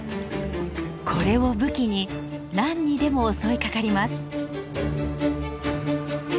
これを武器に何にでも襲いかかります。